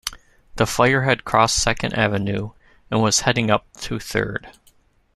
The fire had crossed Second Avenue, and was heading up to Third.